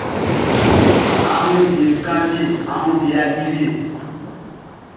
A wun vie kanvie a woun vie yaki vie.